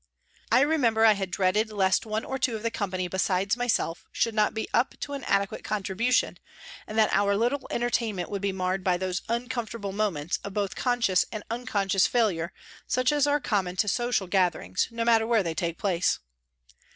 I remember I had dreaded lest one or two of the company besides myself should not be " up " to an adequate contribution, and that our little entertainment would be marred by those uncomfortable moments of both conscious and unconscious failure such as are common to " social " gatherings, no matter where they take place.